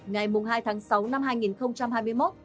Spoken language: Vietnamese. ngày hai tháng sáu năm hai nghìn hai mươi một